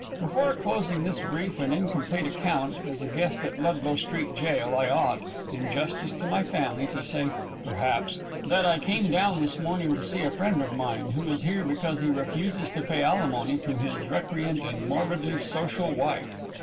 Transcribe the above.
Before closing this brief and incomplete account as a guest at Ludlow Street Jail I ought, in justice to my family, to say, perhaps, that I came down this morning to see a friend of mine who is here because he refuses to pay alimony to his recreant and morbidly sociable wife.